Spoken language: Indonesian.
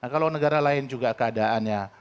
kalau negara lain juga keadaannya